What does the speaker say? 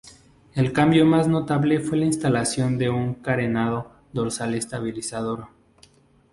El cambio más notable fue la instalación de un carenado dorsal estabilizador.